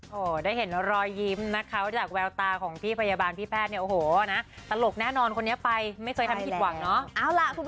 โอ้โหได้เห็นรอยยิ้มนะคะจากแววตาของพี่พยาบาลพี่แพทย์เนี่ยโอ้โหนะตลกแน่นอนคนนี้ไปไม่เคยทำผิดหวังเนาะ